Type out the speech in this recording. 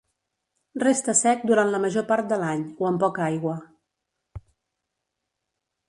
Resta sec durant la major part de l'any o amb poca aigua.